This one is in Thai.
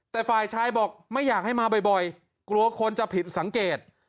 แต่ฝ่ายชายบอกไม่อยากให้มาบ่อยกลัวคนจะผิดสังเกต